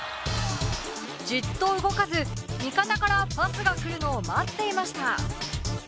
じっと動かず味方からパスが来るのを待っていました。